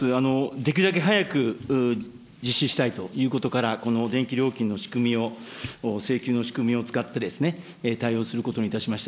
できるだけ早く実施したいということから、この電気料金の仕組みを請求の仕組みを使って対応することにいたしました。